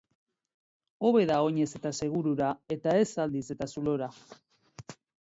Hobe da oinez eta segurura, eta ez zaldiz eta zulora.